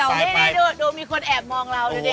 ดูมีคนแอบมองเรา